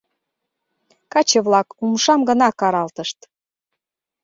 Каче-влак умшам гына каралтышт.